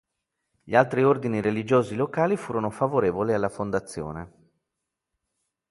Gli altri Ordini religiosi locali furono favorevoli alla fondazione.